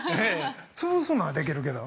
潰すのはできるけど。